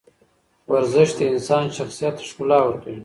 ورزش د انسان شخصیت ته ښکلا ورکوي.